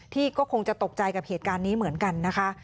ที่ก็คงจะตกใจกับเหตุการณ์นี้เหมือนกันนะคะ